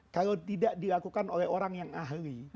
kalau tidak dilakukan oleh orang yang ahli